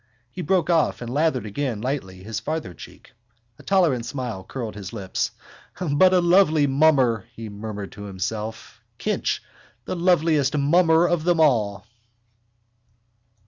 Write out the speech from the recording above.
He broke off and lathered again lightly his farther cheek. A tolerant smile curled his lips. —But a lovely mummer! he murmured to himself. Kinch, the loveliest mummer of them all!